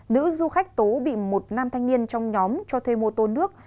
nữ du khách tố bị một nam thanh niên trong nhóm cho thuê mô tô nước